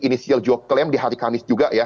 inisial job claim di hari kamis juga ya